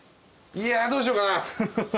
いやどうしようかな。